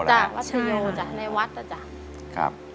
ใช่วัฒโยร้านในวัดอาจารย์